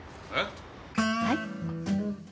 はい。